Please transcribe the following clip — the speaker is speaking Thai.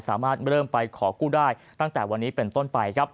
สามารถเริ่มไปขอกู้ได้ตั้งแต่วันนี้เป็นต้นไปครับ